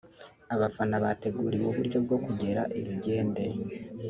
Abafana bateguriwe uburyo bwo kugera i Rugende